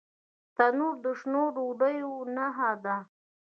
تنور د شنو ډوډیو نښه ده